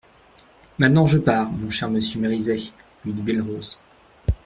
Maintenant je pars, mon cher monsieur Mériset, lui dit Belle-Rose.